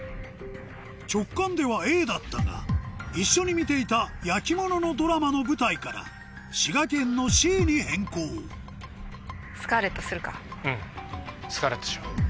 直感ではＡだったが一緒に見ていた焼き物のドラマの舞台から滋賀県のＣに変更うん。